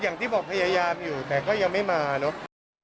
อย่างที่บอกพยายามอยู่แต่ก็ยังไม่มาเนอะ